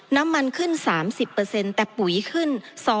น้ำมันขึ้น๓๐แต่ปุ๋ยขึ้น